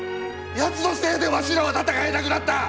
やつのせいでわしらは戦えなくなった！